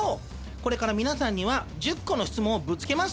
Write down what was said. これから皆さんには１０個の質問をぶつけます。